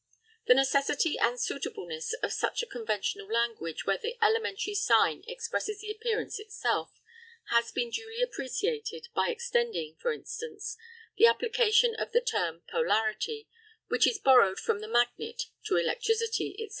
The necessity and suitableness of such a conventional language where the elementary sign expresses the appearance itself, has been duly appreciated by extending, for instance, the application of the term polarity, which is borrowed from the magnet to electricity, &c.